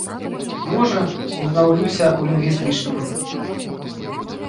Можа, узнаўлюся ў лінгвістычным.